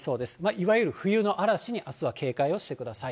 いわゆる冬の嵐にあすは警戒をしてください。